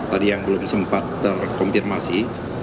tadi yang belum sempat terkonfirmasi